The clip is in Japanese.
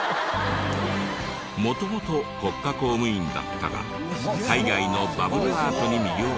元々国家公務員だったが海外のバブルアートに魅了され。